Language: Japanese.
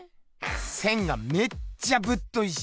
線がめっちゃぶっといし。